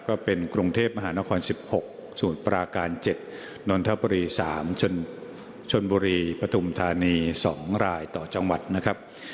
ก็เป็นกรุงเทพมหานครสิบตะกรรมสามฉนบุรีปฐุมธาริย์สองรายต่อจังหวัดนะครับ